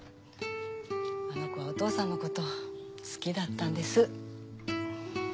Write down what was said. あの子はお父さんのこと好きだったんです。